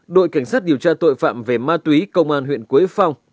đội cảnh sát điều tra tội phạm về ma túy công an huyện quế phong